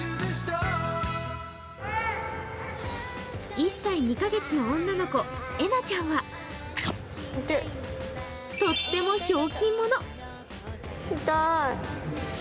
１歳２カ月の女の子、えなちゃんはとってもひょうきん者。